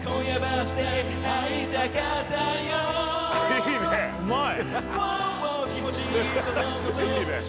いいねうまい！